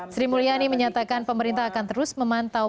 sri mulyani menyatakan pemerintah akan terus memantau